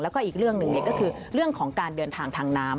แล้วก็อีกเรื่องหนึ่งก็คือเรื่องของการเดินทางทางน้ำ